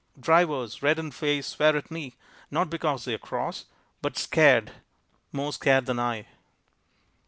Drivers, red in the face, swear at me, not because they are cross, but scared more scared than I.